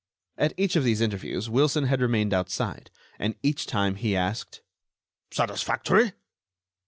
At each of these interviews Wilson had remained outside; and each time he asked: "Satisfactory?"